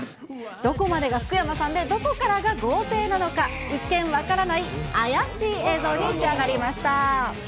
どこまでが福山さんでどこからが合成なのか、一見分からない怪しい映像に仕上がりました。